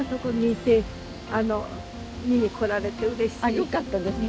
よかったですね。